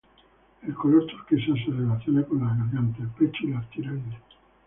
El color turquesa se relaciona con la garganta, el pecho y la tiroides.